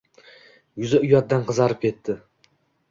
Yuzi uyatdan qizarib ketdi.